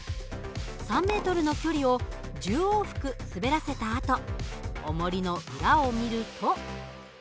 ３ｍの距離を１０往復滑らせたあとおもりの裏を見ると。